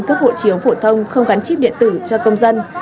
cấp hộ chiếu phổ thông không gắn chip điện tử cho công dân